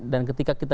dan ketika kita